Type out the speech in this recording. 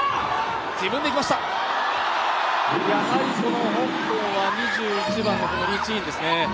やはり香港は２１番の、このリ・チインですね。